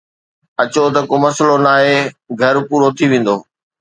اچو ته ڪو مسئلو ناهي، گهر پورو ٿي ويندو